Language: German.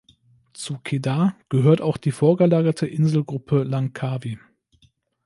Zu Kedah gehört auch die vorgelagerte Inselgruppe Langkawi.